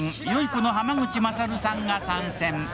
この濱口優さんが参戦。